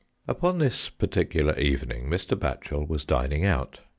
Upon this particular evening Mr. Batchel was dining out.